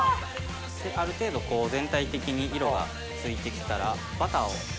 ある程度全体的に色がついてきたらバターを。